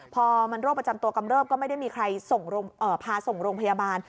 พอมันโรคประจำตัวกำเริบก็ไม่ได้มีใครพาส่งโรงพยาบาล